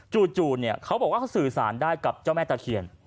จูดจูดเนี่ยเขาบอกว่าเขาสื่อสารได้กับเจ้าแม่ตะเขียน